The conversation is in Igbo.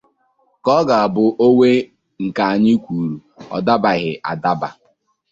ka ọ ga-abụ o nwee nke anyị kwuru adabàghị adabà